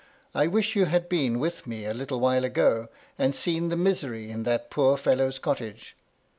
I wish you had been with me a little while ago, and seen the misery in that poor fellow's cottage."